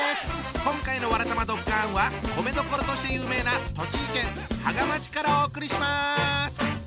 今回の「わらたまドッカン」は米どころとして有名な栃木県芳賀町からお送りします！